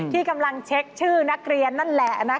ที่กำลังเช็คชื่อนักเรียนนั่นแหละ